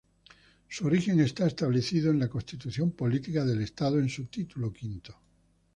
Su origen está establecido en la Constitución Política del Estado en su Título Quinto.